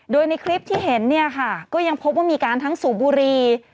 โดยในคลิปที่เห็นเนี่ยค่ะก็ยังพบว่ามีการทั้งสูบบุรี